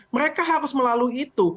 mereka harus melalui itu